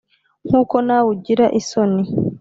Nk uko nawe ugira isoni